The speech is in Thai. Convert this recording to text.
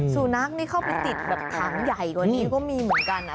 สุนัขนี่เข้าไปติดแบบถังใหญ่กว่านี้ก็มีเหมือนกัน